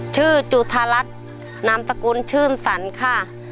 ชื่อจุธารัฐนามตระกุลชื่นสรรค่ะ